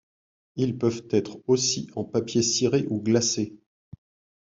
Ils peuvent être aussi en papier ciré ou glacé.